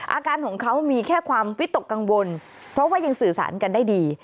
อาการของเขามีแค่ความวิตกกังวลเพราะว่ายังสื่อสารกันได้ดี